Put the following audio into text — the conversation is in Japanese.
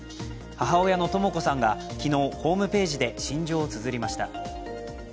母親のとも子さんが昨日、ホームページで心情をつづりました。